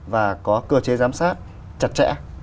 và có cơ chế giám sát chặt chẽ